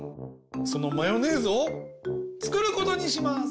そのマヨネーズをつくることにします！